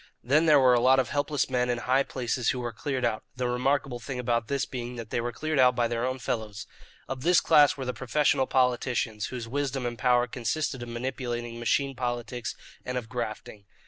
Then there were a lot of helpless men in high places who were cleared out, the remarkable thing about this being that they were cleared out by their own fellows. Of this class were the professional politicians, whose wisdom and power consisted of manipulating machine politics and of grafting.